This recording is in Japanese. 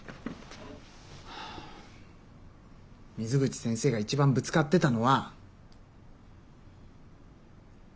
水口先生が一番ぶつかってたのは。